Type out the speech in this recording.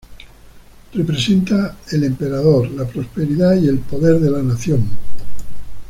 Representa el emperador, la prosperidad y el poder de la nación.